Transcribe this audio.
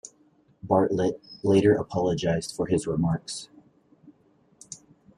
Bartlett later apologized for his remarks.